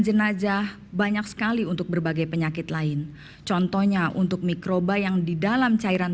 jenajah banyak sekali untuk berbagai penyakit lain contohnya untuk mikroba yang di dalam cairan